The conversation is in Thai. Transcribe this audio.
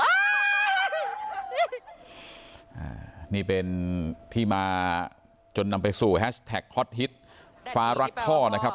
อันนี้เป็นที่มาจนนำไปสู่แฮชแท็กฮอตฮิตฟ้ารักพ่อนะครับ